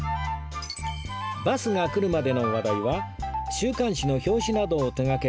バスが来るまでの話題は週刊誌の表紙などを手がける